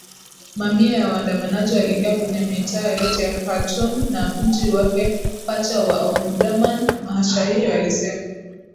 Mamia ya waandamanaji waliingia kwenye mitaa yote ya Khartoum na mji wake pacha wa Omdurman mashahidi walisema